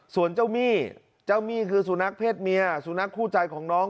ส่วนเจ้ามี่เจ้ามี่คือสุนัขเพศเมียสุนัขคู่ใจของน้อง